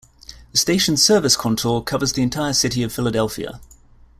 The station's service contour covers the entire city of Philadelphia.